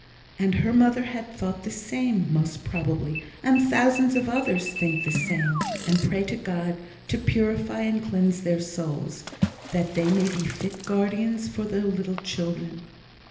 And her mother had thought the same, most probably; and thousands of others think the same, and pray to God to purify and cleanse their souls, that they may be fit guardians for their little children.